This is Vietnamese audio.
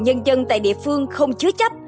nhân dân tại địa phương không chứa chấp